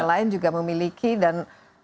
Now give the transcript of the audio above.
lain juga memiliki dan